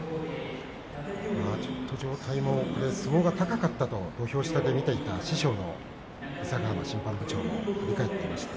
ちょっと状態も相撲が高かったと土俵下で見ていた師匠の伊勢ヶ濱審判部長も振り返っていました。